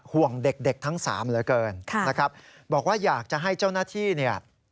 ห่วงเด็กทั้ง๓เลยเกินนะครับบอกว่าอยากจะให้เจ้านาที่